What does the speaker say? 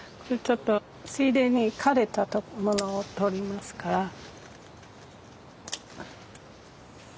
ちょっとついでに枯れたものを取りますから。